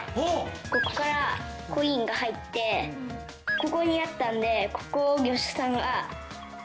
ここからコインが入ってここにあったんでここを。